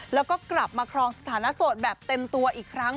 แล้วก็กลับมาครองสถานะโสดแบบเต็มตัวอีกครั้ง